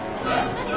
何？